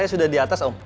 saya sudah di atas